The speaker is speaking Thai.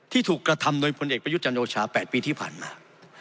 ถูกกระทำโดยพลเอกประยุทธ์จันโอชา๘ปีที่ผ่านมา